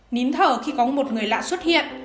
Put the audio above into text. nín thở khi có một người lạ xuất hiện